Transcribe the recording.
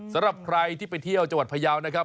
สำหรับใครที่ไปเที่ยวจังหวัดพยาวนะครับ